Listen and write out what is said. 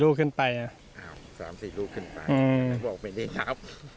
๓๖ลูกขึ้นไปมันบอกไม่ได้นับ